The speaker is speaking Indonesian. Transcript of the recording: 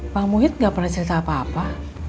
pak muhid gak pernah cerita apa apa